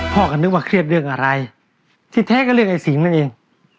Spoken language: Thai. พ่อก็นึกว่าเครียดเรื่องอะไรที่แท้ก็เรื่องไอ้สิงนั่นเอง